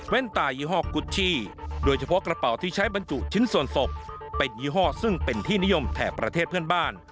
ตายี่ห้อกุชชี่โดยเฉพาะกระเป๋าที่ใช้บรรจุชิ้นส่วนศพเป็นยี่ห้อซึ่งเป็นที่นิยมแถบประเทศเพื่อนบ้าน